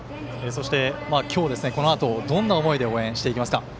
このあと、どんな思いで応援していますか？